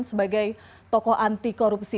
sebagai tokoh anti korupsi